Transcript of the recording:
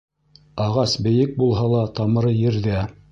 Ағас бейек булһа ла, тамыры ерҙә.